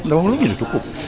delapan puluh lebih sudah cukup